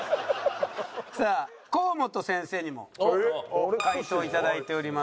さあ河本先生にも回答頂いております。